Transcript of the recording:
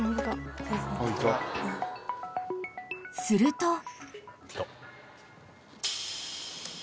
［すると］